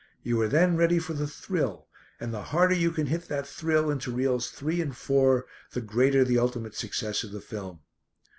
You are then ready for the thrill, and the harder you can hit that thrill into reels three and four the greater the ultimate success of the film.